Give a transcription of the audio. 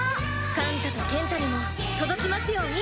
寛太と健太にも届きますように！